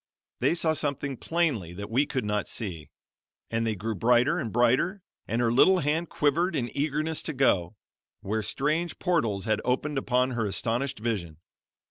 They saw something plainly that we could not see; and they grew brighter and brighter, and her little hand quivered in eagerness to go, where strange portals had opened upon her astonished vision.